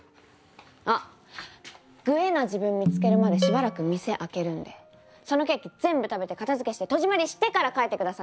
あ「グえ」な自分見つけるまでしばらく店空けるんでそのケーキ全部食べて片づけして戸締まりしてから帰って下さいね。